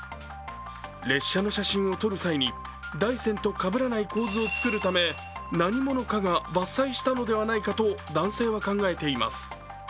列車の写真を撮る際に、大山とかぶらない構図を作るため何者かが伐採したのではないかと男性は考えています。